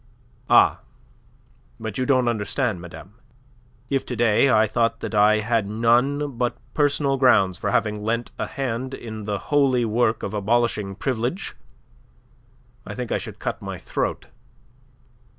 "Ah, but you don't understand, madame. If to day I thought that I had none but personal grounds for having lent a hand in the holy work of abolishing Privilege, I think I should cut my throat.